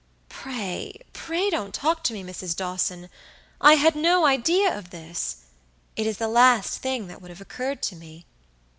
"Pray, pray don't talk to me, Mrs. Dawson. I had no idea of this. It is the last thing that would have occurred to me."